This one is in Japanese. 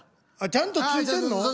ちゃんと付いてんの？